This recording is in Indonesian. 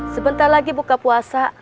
sebentar lagi buka puasa